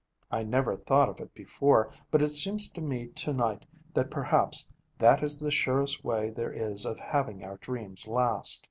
I never thought of it before, but it seems to me to night that perhaps that is the surest way there is of having our dreams last.